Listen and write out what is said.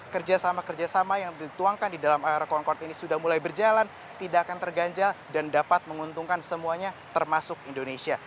kerjasama kerjasama yang dituangkan di dalam rekon ini sudah mulai berjalan tidak akan terganjal dan dapat menguntungkan semuanya termasuk indonesia